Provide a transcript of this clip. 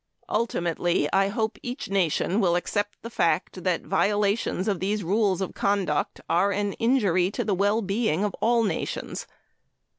Ultimately, I hope each nation will accept the fact that violations of these rules of conduct are an injury to the well being of all nations.